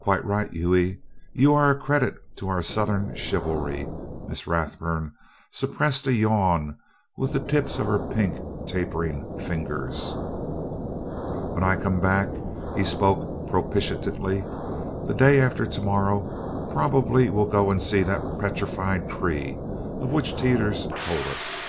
"Quite right, Hughie. You are a credit to our southern chivalry." Miss Rathburn suppressed a yawn with the tips of her pink tapering fingers. "When I come back," he spoke propitiatingly, "the day after to morrow, probably we'll go and see that petrified tree of which Teeters told us."